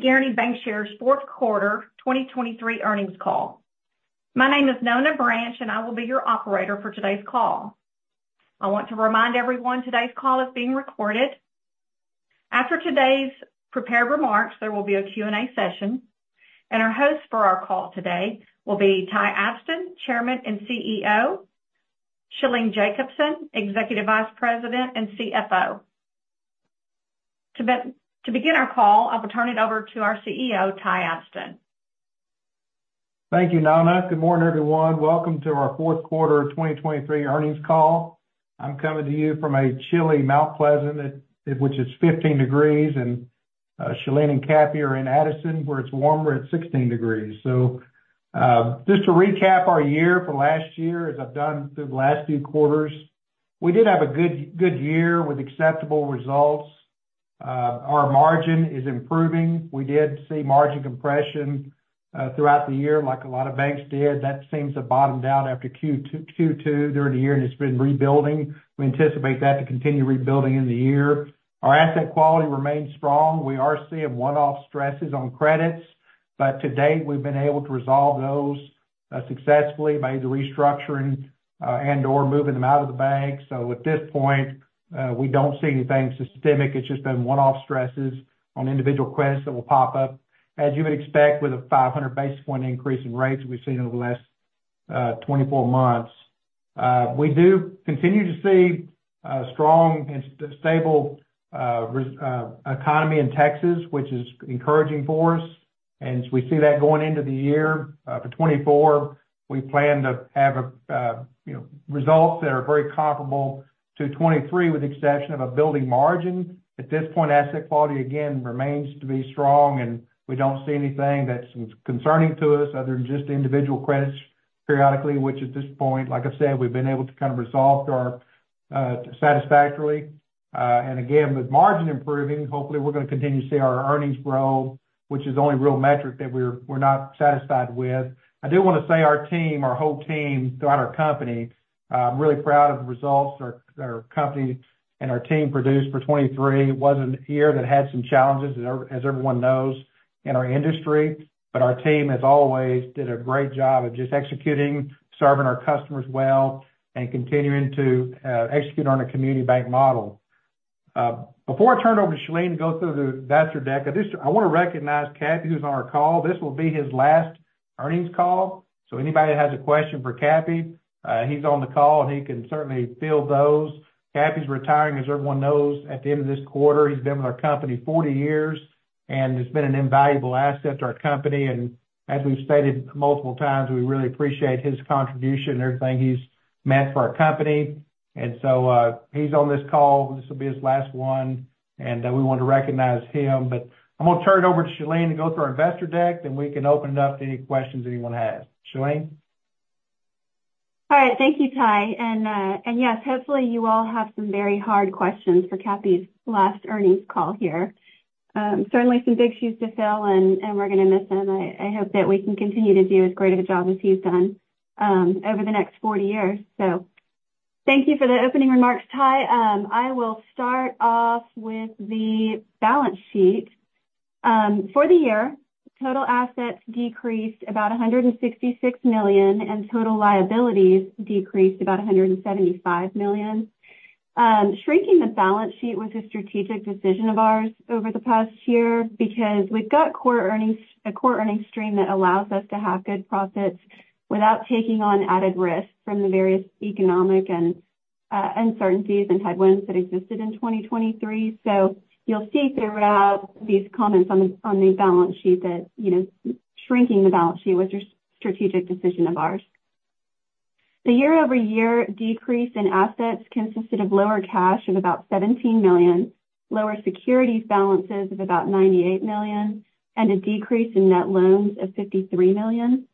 Good morning. Welcome to Guaranty Bancshares' fourth quarter 2023 earnings call. My name is Nona Branch, and I will be your operator for today's call. I want to remind everyone, today's call is being recorded. After today's prepared remarks, there will be a Q&A session, and our host for our call today will be Ty Abston, Chairman and CEO, Shalene Jacobson, Executive Vice President and CFO. To begin our call, I will turn it over to our CEO, Ty Abston. Thank you, Nona. Good morning, everyone. Welcome to our fourth quarter of 2023 earnings call. I'm coming to you from a chilly Mount Pleasant, which is 15 degrees Fahrenheit, and Shalene and Cappy are in Addison, where it's warmer, at 16 degrees Fahrenheit. Just to recap our year for last year, as I've done through the last few quarters, we did have a good, good year with acceptable results. Our margin is improving. We did see margin compression throughout the year, like a lot of banks did. That seems to have bottomed out after Q2 during the year, and it's been rebuilding. We anticipate that to continue rebuilding in the year. Our asset quality remains strong. We are seeing one-off stresses on credits, but to date, we've been able to resolve those successfully by either restructuring and/or moving them out of the bank. So at this point, we don't see anything systemic. It's just been one-off stresses on individual credits that will pop up, as you would expect with a 500 basis point increase in rates we've seen over the last 24 months. We do continue to see a strong and stable economy in Texas, which is encouraging for us, and we see that going into the year. For 2024, we plan to have a you know results that are very comparable to 2023, with the exception of a building margin. At this point, asset quality, again, remains to be strong, and we don't see anything that's concerning to us other than just individual credits periodically, which at this point, like I said, we've been able to kind of resolve to our satisfactorily. And again, with margin improving, hopefully, we're gonna continue to see our earnings grow, which is the only real metric that we're, we're not satisfied with. I do want to say our team, our whole team throughout our company, I'm really proud of the results our, our company and our team produced for 2023. It was a year that had some challenges, as everyone knows, in our industry, but our team, as always, did a great job of just executing, serving our customers well, and continuing to execute on a community bank model. Before I turn it over to Shalene to go through the investor deck, I just want to recognize Cappy, who's on our call. This will be his last earnings call, so anybody that has a question for Cappy, he's on the call, and he can certainly field those. Cappy's retiring, as everyone knows, at the end of this quarter. He's been with our company 40 years, and he's been an invaluable asset to our company. And as we've stated multiple times, we really appreciate his contribution and everything he's meant for our company. And so, he's on this call. This will be his last one, and we want to recognize him. But I'm gonna turn it over to Shalene to go through our investor deck, then we can open it up to any questions anyone has. Shalene? All right. Thank you, Ty. And yes, hopefully, you all have some very hard questions for Cappy's last earnings call here. Certainly some big shoes to fill, and we're gonna miss him. I hope that we can continue to do as great of a job as he's done, over the next 40 years. So thank you for the opening remarks, Ty. I will start off with the balance sheet. For the year, total assets decreased about $166 million, and total liabilities decreased about $175 million. Shrinking the balance sheet was a strategic decision of ours over the past year because we've got core earnings, a core earnings stream that allows us to have good profits without taking on added risk from the various economic and uncertainties and headwinds that existed in 2023. So you'll see throughout these comments on the, on the balance sheet that, you know, shrinking the balance sheet was a strategic decision of ours. The year-over-year decrease in assets consisted of lower cash of about $17 million, lower securities balances of about $98 million, and a decrease in net loans of $53 million.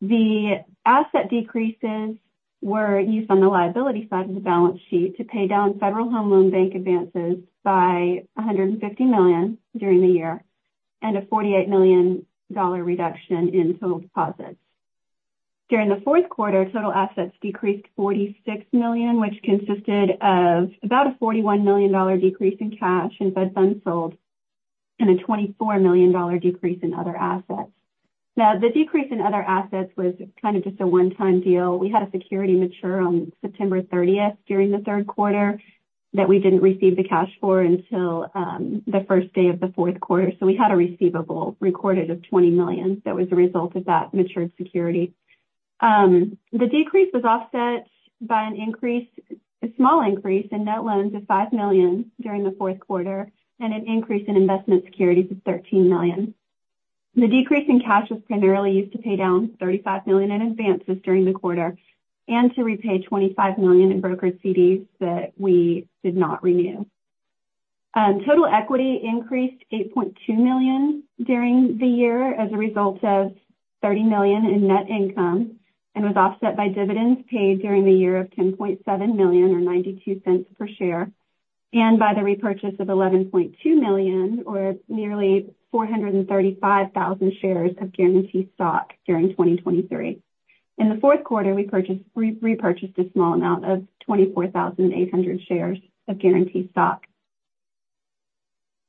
The asset decreases were used on the liability side of the balance sheet to pay down Federal Home Loan Bank advances by $150 million during the year, and a $48 million reduction in total deposits. During the fourth quarter, total assets decreased $46 million, which consisted of about a $41 million decrease in cash and Fed funds sold, and a $24 million decrease in other assets. Now, the decrease in other assets was kind of just a one-time deal. We had a security mature on September thirtieth during the third quarter that we didn't receive the cash for until the first day of the fourth quarter. So we had a receivable recorded of $20 million that was a result of that matured security. The decrease was offset by an increase, a small increase in net loans of $5 million during the fourth quarter and an increase in investment securities of $13 million. The decrease in cash was primarily used to pay down $35 million in advances during the quarter and to repay $25 million in brokered CDs that we did not renew. Total equity increased $8.2 million during the year as a result of $30 million in net income and was offset by dividends paid during the year of $10.7 million or $0.92 per share, and by the repurchase of $11.2 million or nearly 435,000 shares of Guaranty stock during 2023. In the fourth quarter, we repurchased a small amount of 24,800 shares of Guaranty stock.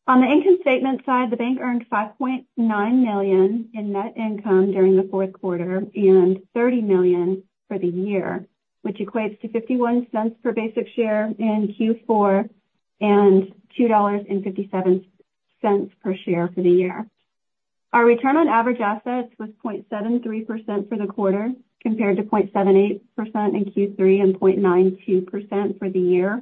On the income statement side, the bank earned $5.9 million in net income during the fourth quarter and $30 million for the year, which equates to $0.51 per basic share in Q4 and $2.57 per share for the year. Our return on average assets was 0.73% for the quarter, compared to 0.78% in Q3 and 0.92% for the year.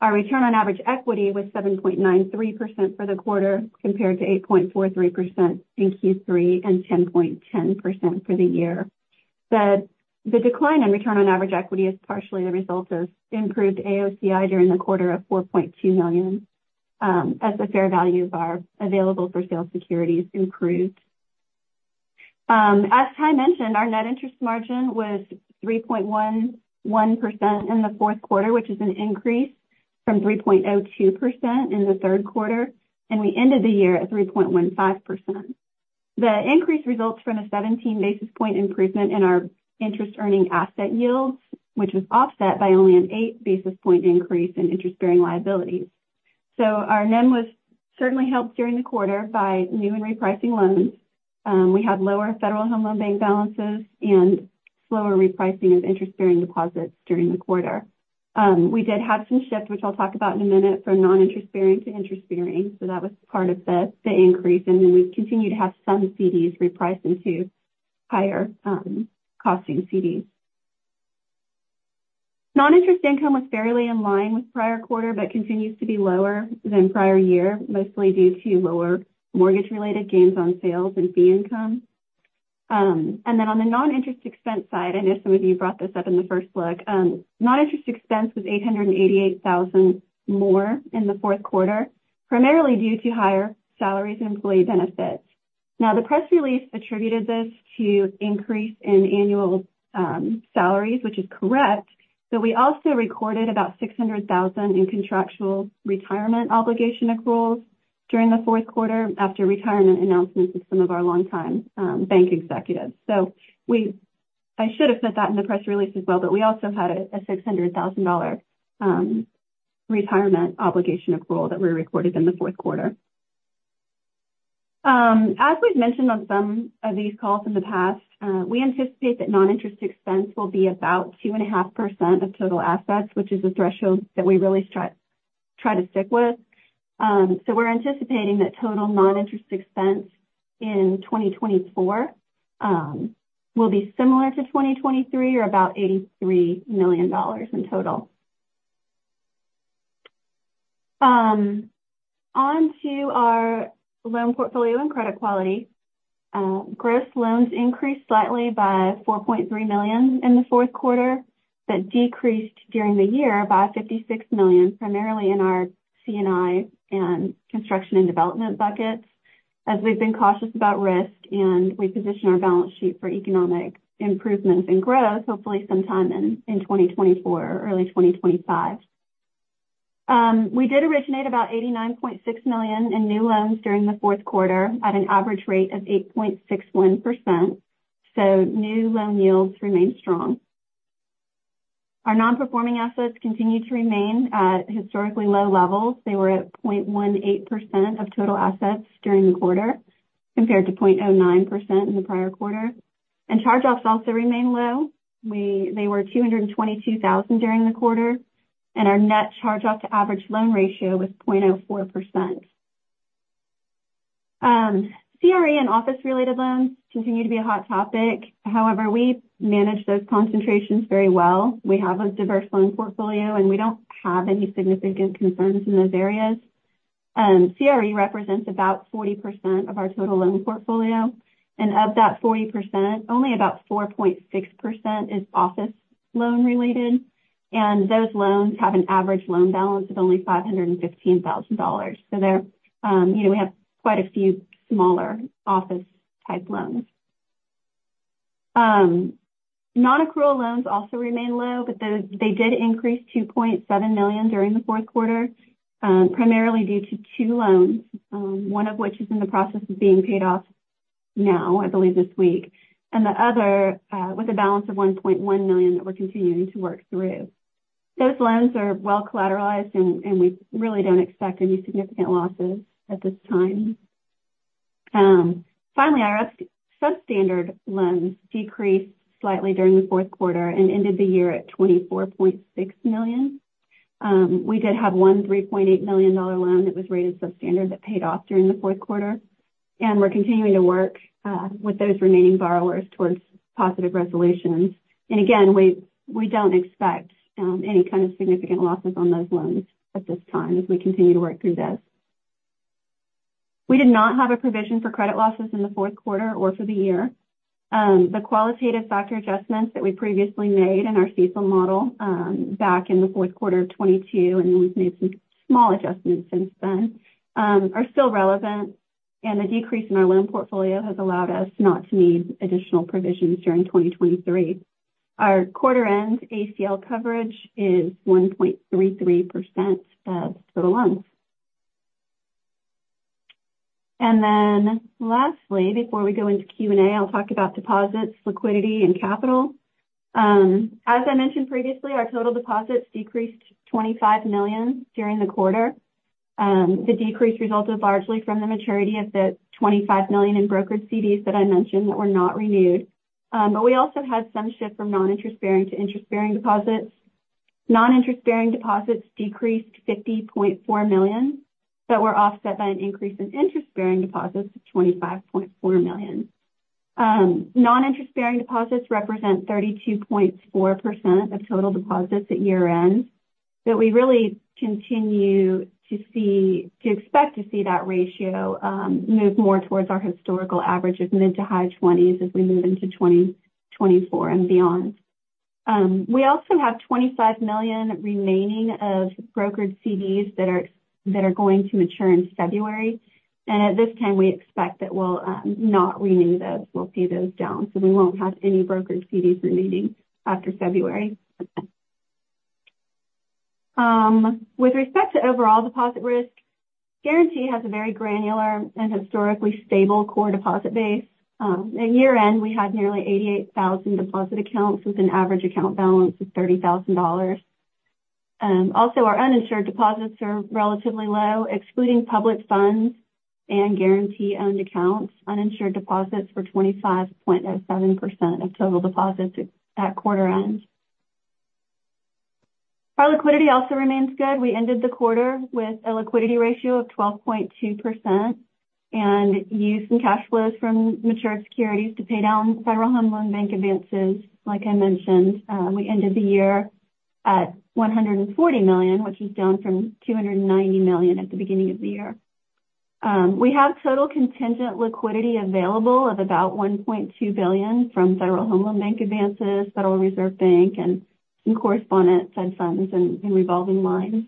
Our return on average equity was 7.93% for the quarter, compared to 8.43% in Q3 and 10.10% for the year. The decline in return on average equity is partially the result of improved AOCI during the quarter of $4.2 million, as the fair value of our available-for-sale securities improved. As Ty mentioned, our net interest margin was 3.11% in the fourth quarter, which is an increase from 3.02% in the third quarter, and we ended the year at 3.15%. The increase results from a 17 basis point improvement in our interest earning asset yields, which was offset by only an 8 basis point increase in interest-bearing liabilities. So our NIM was certainly helped during the quarter by new and repricing loans. We had lower Federal Home Loan Bank balances and slower repricing of interest-bearing deposits during the quarter. We did have some shifts, which I'll talk about in a minute, from non-interest bearing to interest bearing, so that was part of the increase. And then we've continued to have some CDs reprice into higher costing CDs. Non-interest income was fairly in line with prior quarter, but continues to be lower than prior year, mostly due to lower mortgage-related gains on sales and fee income. And then on the non-interest expense side, I know some of you brought this up in the first look. Non-interest expense was $888,000 more in the fourth quarter, primarily due to higher salaries and employee benefits. Now, the press release attributed this to increase in annual salaries, which is correct, but we also recorded about $600,000 in contractual retirement obligation accruals during the fourth quarter after retirement announcements of some of our longtime bank executives. I should have said that in the press release as well, but we also had a $600,000 retirement obligation accrual that we recorded in the fourth quarter. As we've mentioned on some of these calls in the past, we anticipate that non-interest expense will be about 2.5% of total assets, which is a threshold that we really try to stick with. So we're anticipating that total non-interest expense in 2024 will be similar to 2023 or about $83 million in total. On to our loan portfolio and credit quality. Gross loans increased slightly by $4.3 million in the fourth quarter. That decreased during the year by $56 million, primarily in our C&I and construction and development buckets, as we've been cautious about risk and we position our balance sheet for economic improvements and growth hopefully sometime in 2024 or early 2025. We did originate about $89.6 million in new loans during the fourth quarter at an average rate of 8.61%, so new loan yields remained strong. Our non-performing assets continued to remain at historically low levels. They were at 0.18% of total assets during the quarter, compared to 0.09% in the prior quarter. Charge-offs also remained low. They were $222,000 during the quarter, and our net charge-off to average loan ratio was 0.04%. CRE and office-related loans continue to be a hot topic. However, we manage those concentrations very well. We have a diverse loan portfolio, and we don't have any significant concerns in those areas. CRE represents about 40% of our total loan portfolio, and of that 40%, only about 4.6% is office loan related, and those loans have an average loan balance of only $515,000. So they're, you know, we have quite a few smaller office-type loans. Non-accrual loans also remain low, but those, they did increase to $0.7 million during the fourth quarter, primarily due to two loans, one of which is in the process of being paid off now, I believe this week. And the other, with a balance of $1.1 million that we're continuing to work through. Those loans are well collateralized and we really don't expect any significant losses at this time. Finally, our substandard loans decreased slightly during the fourth quarter and ended the year at $24.6 million. We did have one $3.8 million loan that was rated substandard, that paid off during the fourth quarter, and we're continuing to work with those remaining borrowers towards positive resolutions. Again, we don't expect any kind of significant losses on those loans at this time as we continue to work through this. We did not have a provision for credit losses in the fourth quarter or for the year. The qualitative factor adjustments that we previously made in our CECL model back in the fourth quarter of 2022, and we've made some small adjustments since then, are still relevant, and the decrease in our loan portfolio has allowed us not to need additional provisions during 2023. Our quarter-end ACL coverage is 1.33% of total loans. Lastly, before we go into Q&A, I'll talk about deposits, liquidity, and capital. As I mentioned previously, our total deposits decreased $25 million during the quarter. The decrease resulted largely from the maturity of the $25 million in brokered CDs that I mentioned that were not renewed. But we also had some shift from non-interest bearing to interest-bearing deposits. Non-interest bearing deposits decreased $50.4 million, but were offset by an increase in interest-bearing deposits of $25.4 million. Non-interest bearing deposits represent 32.4% of total deposits at year-end, but we really continue to expect to see that ratio move more towards our historical averages mid- to high-20s as we move into 2024 and beyond. We also have $25 million remaining of brokered CDs that are going to mature in February, and at this time we expect that we'll not renew those. We'll pay those down, so we won't have any brokered CDs remaining after February. With respect to overall deposit risk, Guaranty has a very granular and historically stable core deposit base. At year-end, we had nearly 88,000 deposit accounts with an average account balance of $30,000. Also, our uninsured deposits are relatively low, excluding public funds and Guaranty-owned accounts. Uninsured deposits were 25.07% of total deposits at quarter end. Our liquidity also remains good. We ended the quarter with a liquidity ratio of 12.2% and used some cash flows from matured securities to pay down Federal Home Loan Bank advances. Like I mentioned, we ended the year at $140 million, which is down from $290 million at the beginning of the year. We have total contingent liquidity available of about $1.2 billion from Federal Home Loan Bank advances, Federal Reserve Bank, and some correspondent side funds and revolving lines.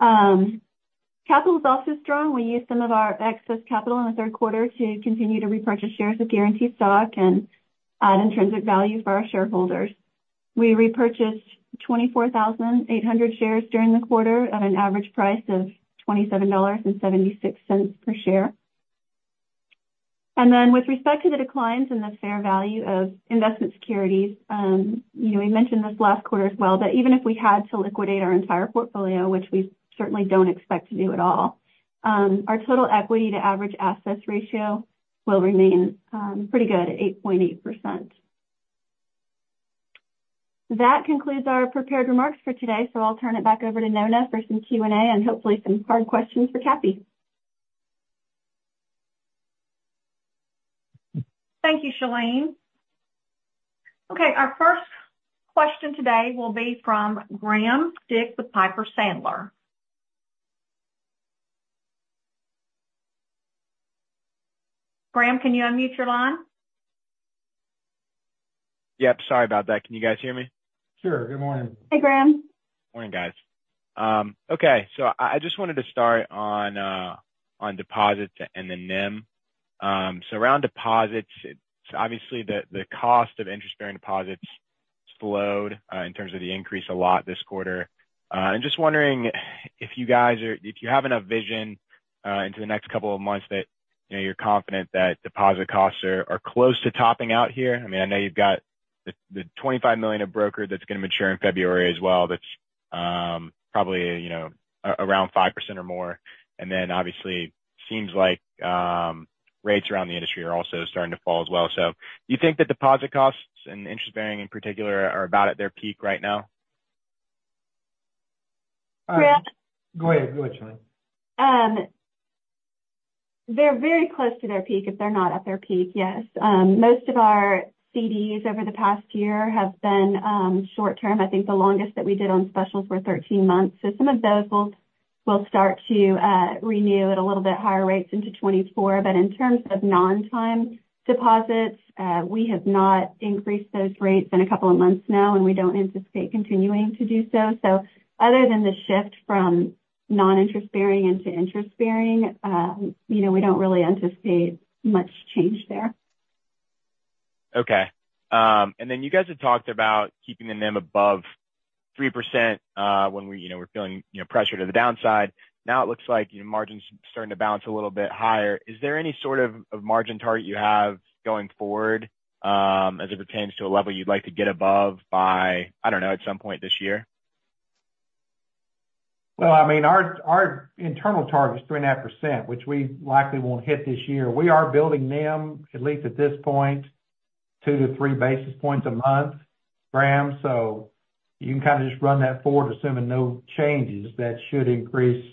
Capital is also strong. We used some of our excess capital in the third quarter to continue to repurchase shares of Guaranty stock and add intrinsic value for our shareholders. We repurchased 24,800 shares during the quarter at an average price of $27.76 per share. And then with respect to the declines in the fair value of investment securities, you know, we mentioned this last quarter as well, but even if we had to liquidate our entire portfolio, which we certainly don't expect to do at all, our total equity to average assets ratio will remain pretty good at 8.8%. That concludes our prepared remarks for today. I'll turn it back over to Nona for some Q&A and hopefully some hard questions for Cappy. Thank you, Shalene. Okay, our first question today will be from Graham Dick with Piper Sandler. Graham, can you unmute your line? Yep, sorry about that. Can you guys hear me? Sure. Good morning. Hey, Graham. Morning, guys. Okay. So I just wanted to start on deposits and then NIM. So around deposits, obviously, the cost of interest-bearing deposits slowed in terms of the increase a lot this quarter. And just wondering if you guys are—if you have enough vision into the next couple of months, that you know you're confident that deposit costs are close to topping out here. I mean, I know you've got the $25 million of brokered that's going to mature in February as well. That's probably you know around 5% or more. And then obviously seems like rates around the industry are also starting to fall as well. So do you think the deposit costs and interest bearing in particular are about at their peak right now? Uh- Graham? Go ahead. Go ahead, Shalene. They're very close to their peak, if they're not at their peak, yes. Most of our CDs over the past year have been short term. I think the longest that we did on specials were 13 months. So some of those will, will start to renew at a little bit higher rates into 2024. But in terms of non-time deposits, we have not increased those rates in a couple of months now, and we don't anticipate continuing to do so. So other than the shift from non-interest bearing into interest bearing, you know, we don't really anticipate much change there. Okay. And then you guys have talked about keeping the NIM above 3%, when we, you know, we're feeling, you know, pressure to the downside. Now it looks like your margin's starting to bounce a little bit higher. Is there any sort of margin target you have going forward, as it pertains to a level you'd like to get above by, I don't know, at some point this year? Well, I mean, our internal target is 3.5%, which we likely won't hit this year. We are building NIM, at least at this point, 2-3 basis points a month, Graham. So you can kind of just run that forward, assuming no changes, that should increase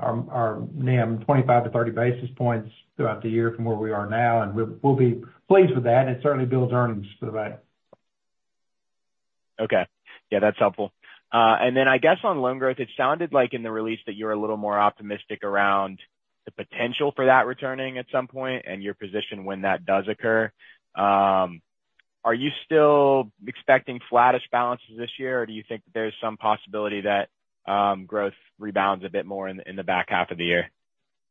our NIM 25-30 basis points throughout the year from where we are now, and we'll be pleased with that, and it certainly builds earnings for the bank. Okay. Yeah, that's helpful. And then I guess on loan growth, it sounded like in the release that you're a little more optimistic around the potential for that returning at some point and your position when that does occur. Are you still expecting flattish balances this year, or do you think that there's some possibility that growth rebounds a bit more in the back half of the year?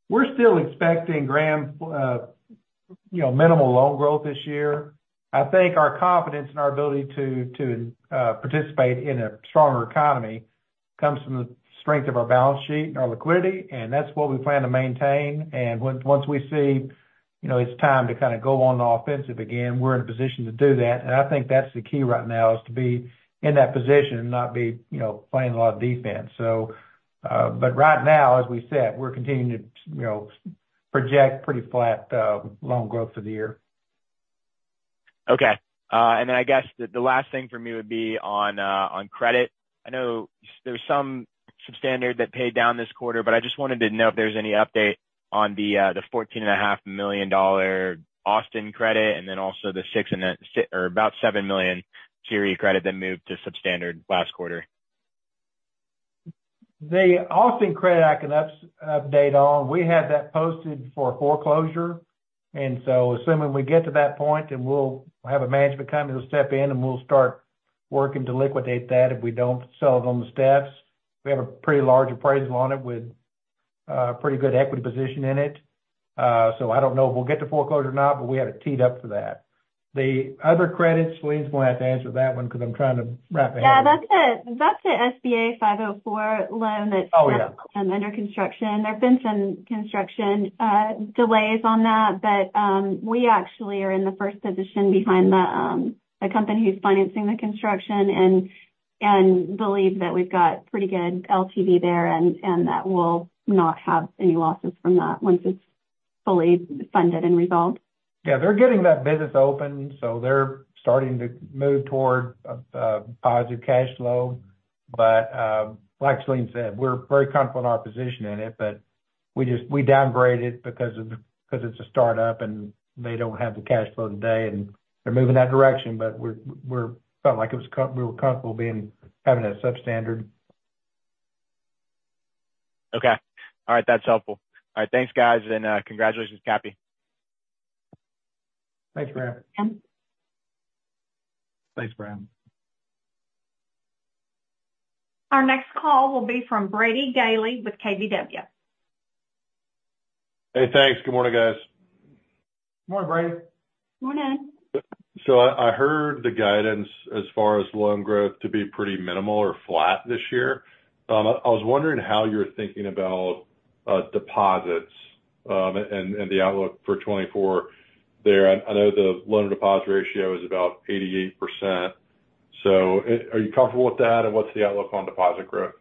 We're still expecting, Graham, you know, minimal loan growth this year. I think our confidence in our ability to participate in a stronger economy comes from the strength of our balance sheet and our liquidity, and that's what we plan to maintain. And once we see, you know, it's time to kind of go on the offensive again, we're in a position to do that. And I think that's the key right now, is to be in that position and not be, you know, playing a lot of defense. So, but right now, as we said, we're continuing to, you know, project pretty flat, loan growth for the year. Okay. I guess the last thing for me would be on credit. I know there's some substandard that paid down this quarter, but I just wanted to know if there's any update on the $14.5 million Austin credit, and then also the $6 or about $7 million CRE credit that moved to substandard last quarter. The Austin credit, I can update on. We had that posted for foreclosure, and so assuming we get to that point, then we'll have a management company who'll step in, and we'll start working to liquidate that if we don't sell it on the steps. We have a pretty large appraisal on it with pretty good equity position in it. So I don't know if we'll get to foreclosure or not, but we have it teed up for that. The other credit, Shalene's gonna have to answer that one, because I'm trying to wrap my head around it. Yeah, that's a SBA 504 loan that's- Oh, yeah Under construction. There have been some construction delays on that, but we actually are in the first position behind the company who's financing the construction and believe that we've got pretty good LTV there and that we'll not have any losses from that once it's fully funded and resolved. Yeah, they're getting that business open, so they're starting to move toward a positive cash flow. But, like Shalene said, we're very confident in our position in it, but we just—we downgrade it because of the—because it's a start-up and they don't have the cash flow today, and they're moving in that direction, but we're, we felt like it was com—we were comfortable being, having it substandard. Okay. All right. That's helpful. All right. Thanks, guys, and congratulations, Cappy. Thanks, Graham. Yeah. Thanks, Graham. Our next call will be from Brady Gailey with KBW. Hey, thanks. Good morning, guys. Good morning, Brady. Morning. So I heard the guidance as far as loan growth to be pretty minimal or flat this year. I was wondering how you're thinking about deposits, and the outlook for 2024 there. I know the loan-to-deposit ratio is about 88%. So are you comfortable with that? And what's the outlook on deposit growth?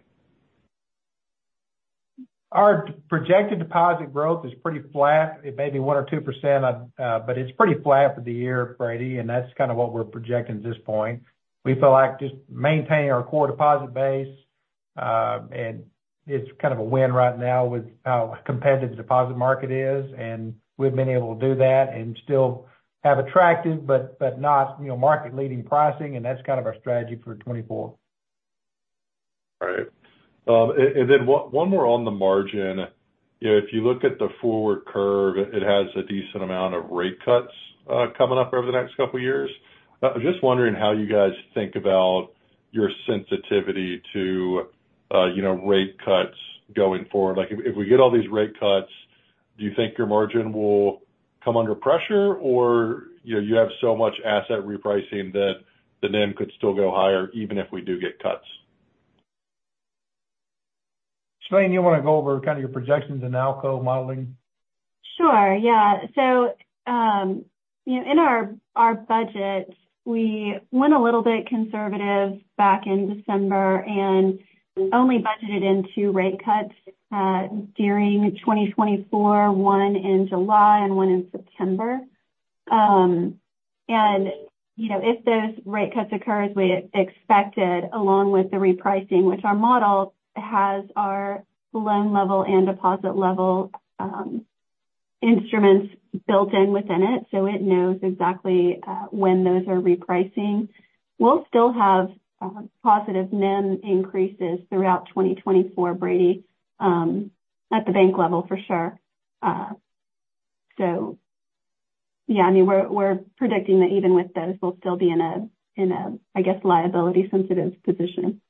Our projected deposit growth is pretty flat. It may be 1% or 2%, but it's pretty flat for the year, Brady, and that's kind of what we're projecting at this point. We feel like just maintaining our core deposit base, and it's kind of a win right now with how competitive the deposit market is, and we've been able to do that and still have attractive, but, but not, you know, market-leading pricing, and that's kind of our strategy for 2024. All right. And then one more on the margin. You know, if you look at the forward curve, it has a decent amount of rate cuts coming up over the next couple years. I was just wondering how you guys think about your sensitivity to, you know, rate cuts going forward. Like, if we get all these rate cuts, do you think your margin will come under pressure, or, you know, you have so much asset repricing that the NIM could still go higher even if we do get cuts? Shalene, you want to go over kind of your projections and ALCO modeling? Sure, yeah. So, you know, in our budget, we went a little bit conservative back in December and only budgeted in two rate cuts during 2024, one in July and one in September. And, you know, if those rate cuts occur as we expected, along with the repricing, which our model has our loan level and deposit level instruments built in within it, so it knows exactly when those are repricing. We'll still have positive NIM increases throughout 2024, Brady, at the bank level, for sure. So yeah, I mean, we're predicting that even with this, we'll still be in a liability-sensitive position.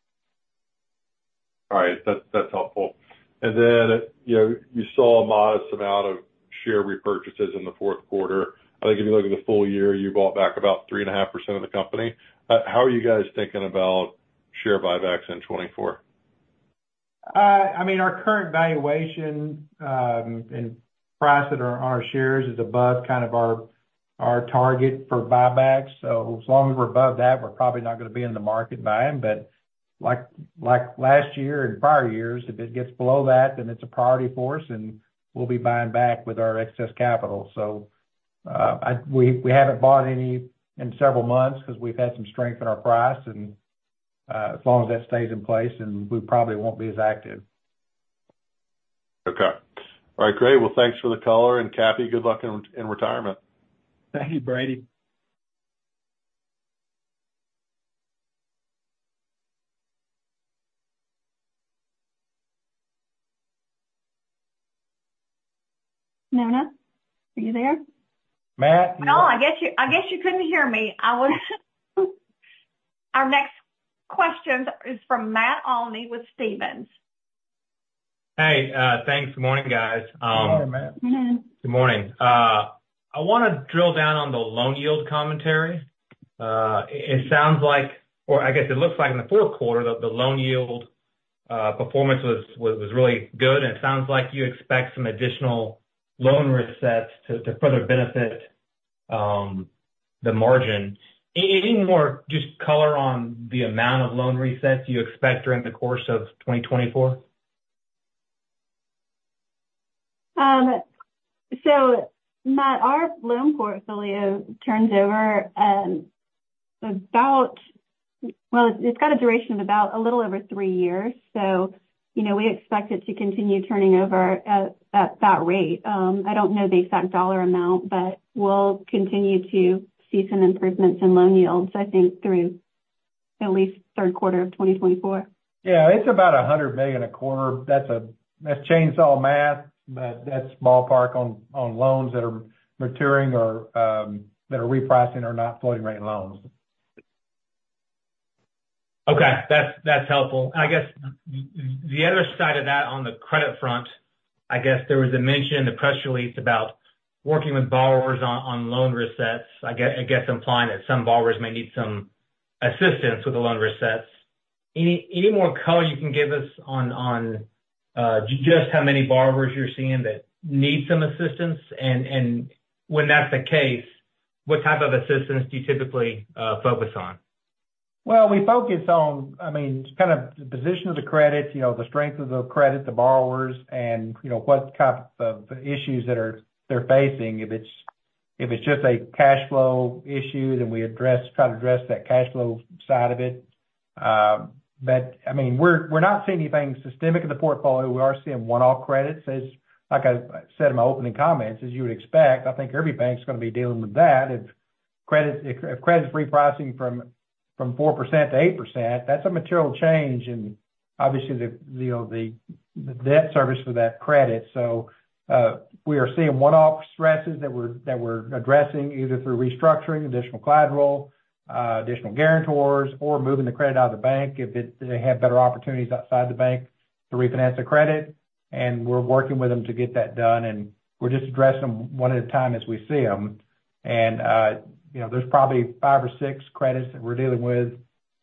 All right. That's helpful. And then, you know, you saw a modest amount of share repurchases in the fourth quarter. I think if you look at the full year, you bought back about 3.5% of the company. How are you guys thinking about share buybacks in 2024? I mean, our current valuation and price at our shares is above kind of our target for buybacks. So as long as we're above that, we're probably not going to be in the market buying. But like last year and prior years, if it gets below that, then it's a priority for us, and we'll be buying back with our excess capital. So, we haven't bought any in several months because we've had some strength in our price, and as long as that stays in place, then we probably won't be as active. Okay. All right, great. Well, thanks for the color, and, Cappy, good luck in retirement. Thank you, Brady. Nona, are you there? Matt? No, I guess you, I guess you couldn't hear me. Our next question is from Matt Olney with Stephens. Hey, thanks. Good morning, guys. Good morning, Matt. Good morning. Good morning. I wanna drill down on the loan yield commentary. It sounds like, or I guess it looks like in the fourth quarter, that the loan yield performance was really good, and it sounds like you expect some additional loan resets to further benefit the margin. Any more just color on the amount of loan resets you expect during the course of 2024? So Matt, our loan portfolio turns over about. Well, it's got a duration of about a little over three years, so, you know, we expect it to continue turning over at that rate. I don't know the exact dollar amount, but we'll continue to see some improvements in loan yields, I think, through at least third quarter of 2024. Yeah, it's about $100 million a quarter. That's, that's chainsaw math, but that's ballpark on, on loans that are maturing or, that are repricing or not floating-rate loans. Okay, that's helpful. I guess the other side of that, on the credit front, I guess there was a mention in the press release about working with borrowers on loan resets. I guess implying that some borrowers may need some assistance with the loan resets. Any more color you can give us on just how many borrowers you're seeing that need some assistance? And when that's the case, what type of assistance do you typically focus on? Well, we focus on—I mean, kind of the position of the credit, you know, the strength of the credit, the borrowers, and, you know, what type of issues that are—they're facing. If it's, if it's just a cash flow issue, then we try to address that cash flow side of it. But I mean, we're not seeing anything systemic in the portfolio. We are seeing one-off credits, as—like I said in my opening comments, as you would expect, I think every bank is gonna be dealing with that. If credit is repricing from 4%-8%, that's a material change and obviously, you know, the debt service for that credit. So, we are seeing one-off stresses that we're addressing, either through restructuring, additional collateral, additional guarantors, or moving the credit out of the bank if they have better opportunities outside the bank to refinance the credit. And we're working with them to get that done, and we're just addressing them one at a time as we see them. And, you know, there's probably five or six credits that we're dealing with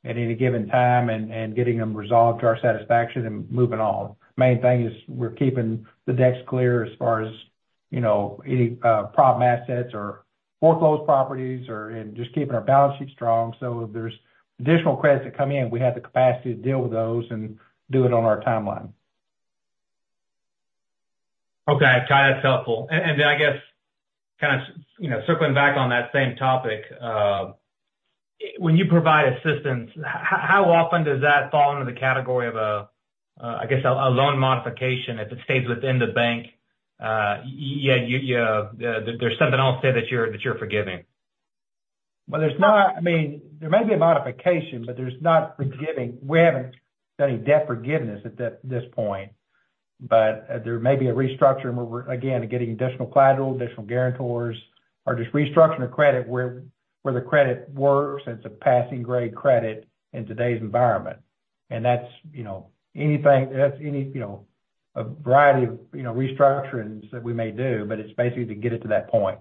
at any given time and getting them resolved to our satisfaction and moving on. Main thing is we're keeping the decks clear as far as, you know, any problem assets or foreclosed properties or and just keeping our balance sheet strong. So if there's additional credits that come in, we have the capacity to deal with those and do it on our timeline. Okay, got it. That's helpful. And then I guess, kind of, you know, circling back on that same topic, when you provide assistance, how often does that fall under the category of a, I guess, a loan modification if it stays within the bank? You, there's something else there that you're forgiving. Well, there's not—I mean, there may be a modification, but there's not forgiving. We haven't done any debt forgiveness at this point, but there may be a restructuring, where we're, again, getting additional collateral, additional guarantors, or just restructuring the credit where the credit works, and it's a passing grade credit in today's environment. And that's, you know, anything, that's any, you know, a variety of, you know, restructurings that we may do, but it's basically to get it to that point.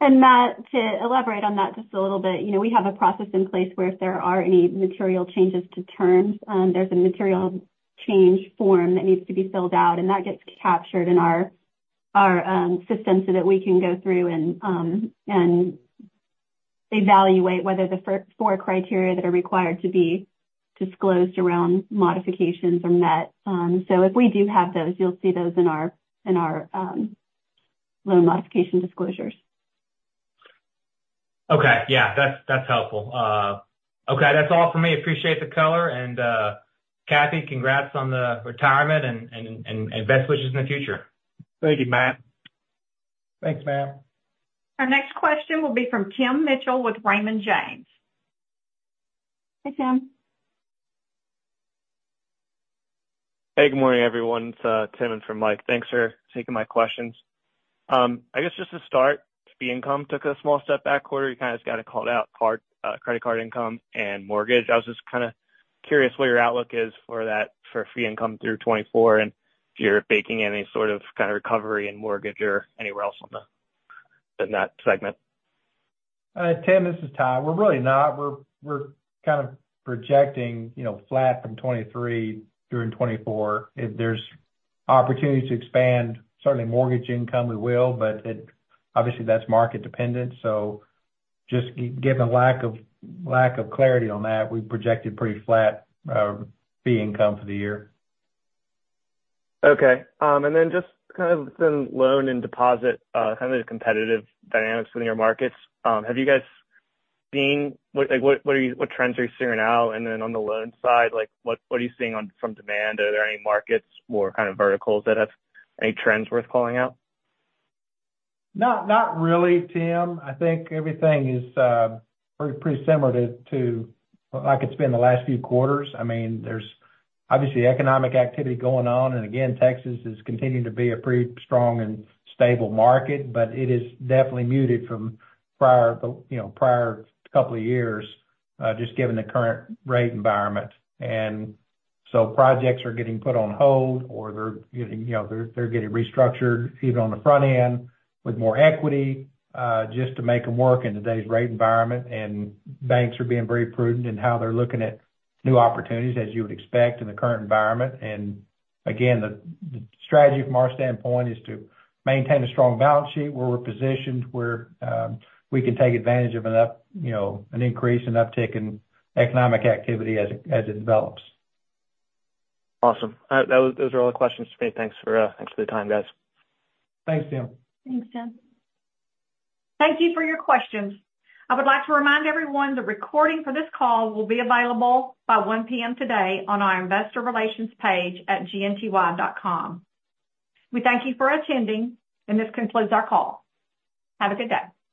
And Matt, to elaborate on that just a little bit. You know, we have a process in place where if there are any material changes to terms, there's a material change form that needs to be filled out, and that gets captured in our system, so that we can go through and evaluate whether the four criteria that are required to be disclosed around modifications are met. So if we do have those, you'll see those in our loan modification disclosures. Okay. Yeah, that's helpful. Okay, that's all for me. Appreciate the color, and Cappy, congrats on the retirement and best wishes in the future. Thank you, Matt. Thanks, Matt. Our next question will be from Tim Mitchell with Raymond James. Hi, Tim. Hey, good morning, everyone. It's Tim in for Mike. Thanks for taking my questions. I guess just to start, fee income took a small step back quarter. You kind of got it called out, card, credit card income and mortgage. I was just kind of curious what your outlook is for that, for fee income through 2024, and if you're baking any sort of kind of recovery in mortgage or anywhere else on the, in that segment. Tim, this is Ty. We're really not. We're, we're kind of projecting, you know, flat from 2023 during 2024. If there's opportunities to expand certainly mortgage income, we will, but obviously, that's market dependent. So just given lack of, lack of clarity on that, we projected pretty flat, fee income for the year. Okay, and then just kind of the loan and deposit kind of the competitive dynamics within your markets. Have you guys seen what trends are you seeing now? And then on the loan side, like, what are you seeing on from demand? Are there any markets or kind of verticals that have any trends worth calling out? No, not really, Tim. I think everything is pretty, pretty similar to, to like it's been the last few quarters. I mean, there's obviously economic activity going on, and again, Texas is continuing to be a pretty strong and stable market, but it is definitely muted from prior, you know, prior couple of years, just given the current rate environment. And so projects are getting put on hold or they're getting, you know, they're, they're getting restructured, even on the front end, with more equity, just to make them work in today's rate environment. And banks are being very prudent in how they're looking at new opportunities, as you would expect in the current environment. And again, the strategy from our standpoint is to maintain a strong balance sheet, where we're positioned where we can take advantage of an up, you know, an increase and uptick in economic activity as it develops. Awesome. Those, those are all the questions for me. Thanks for, thanks for the time, guys. Thanks, Tim. Thanks, Tim. Thank you for your questions. I would like to remind everyone, the recording for this call will be available by 1 P.M. today on our investor relations page at gnty.com. We thank you for attending, and this concludes our call. Have a good day.